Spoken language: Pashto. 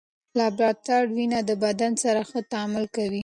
لابراتوار وینه د بدن سره ښه تعامل کوي.